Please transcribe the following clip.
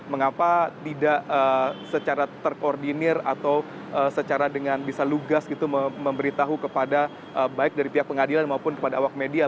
mengapa tidak secara terkoordinir atau secara dengan bisa lugas gitu memberitahu kepada baik dari pihak pengadilan maupun kepada awak media